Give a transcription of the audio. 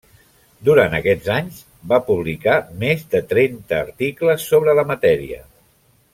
Durant aquests anys va publicar més de trenta articles sobre la matèria.